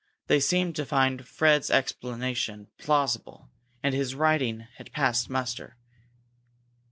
They seemed to find Fred's explanation plausible, and his writing had passed muster.